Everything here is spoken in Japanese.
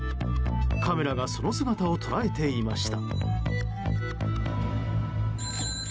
カメラがその姿を捉えていました。